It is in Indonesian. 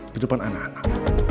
di depan anak anak